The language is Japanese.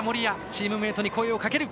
チームメートに声をかける。